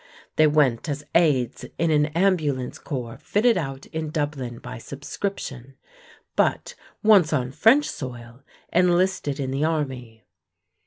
They went as aides in an ambulance corps fitted out in Dublin by subscription, but, once on French soil, enlisted in the army.